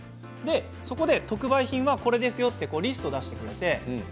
そこで特売品はこれですよというリストを出してくれます。